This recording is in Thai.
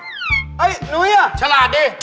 เห้ยหนูเนี่ยะชลาดดิ